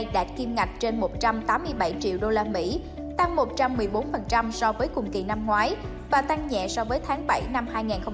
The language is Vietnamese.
đạt kim ngạch trên một trăm tám mươi bảy triệu usd tăng một trăm một mươi bốn so với cùng kỳ năm ngoái và tăng nhẹ so với tháng bảy năm hai nghìn hai mươi ba